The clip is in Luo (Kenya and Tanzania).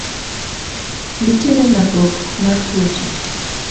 Nitiere landruok mar tuoche.